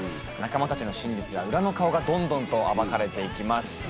仲間たちの真実や裏の顔がどんどんと暴かれて行きます。